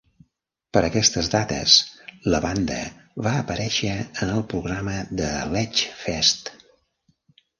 Per aquestes dates, la banda va aparèixer en el programa de l'Edgefest.